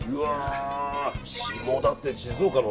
下田って、静岡の？